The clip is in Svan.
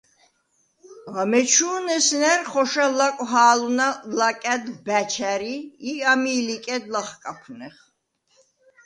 ამეჩუ̄ნ ესნა̈რ ხოშა ლა̈კუ̂ჰა̄ლუ̂ნა ლაკა̈დ ბა̈ჩ ა̈რი ი ამი̄ ლიკედ ლახკაფუ̂ნეხ.